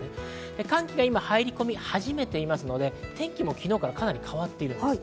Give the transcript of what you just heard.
寒気が今、入り込み始めていますので、天気も昨日からかなり変わっています。